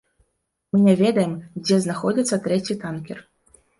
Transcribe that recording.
Мы не ведаем, дзе знаходзіцца трэці танкер.